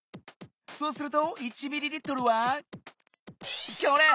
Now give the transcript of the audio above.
そうすると１ｍＬはこれ！